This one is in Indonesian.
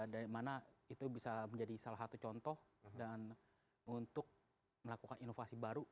dari mana itu bisa menjadi salah satu contoh dan untuk melakukan inovasi baru